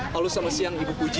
halo selamat siang ibu puji